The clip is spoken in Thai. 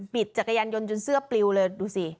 จักรยานยนต์จนเสื้อปลิวเลยดูสิ